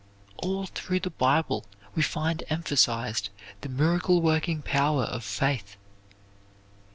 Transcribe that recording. All through the Bible we find emphasized the miracle working power of faith.